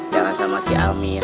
jangan sama ki amin